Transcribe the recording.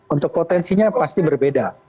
untuk potensinya pasti berbeda